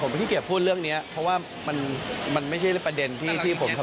ผมขี้เกียจพูดเรื่องนี้เพราะว่ามันไม่ใช่ประเด็นที่ผมทะเลาะกับเขา